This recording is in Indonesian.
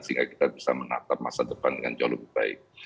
sehingga kita bisa menatap masa depan dengan jauh lebih baik